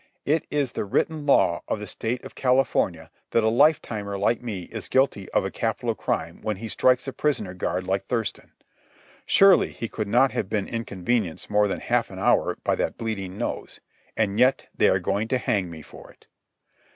It is the written law of the State of California that a lifetimer like me is guilty of a capital crime when he strikes a prison guard like Thurston. Surely, he could not have been inconvenienced more than half an hour by that bleeding nose; and yet they are going to hang me for it.